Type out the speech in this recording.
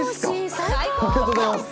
ありがとうございます！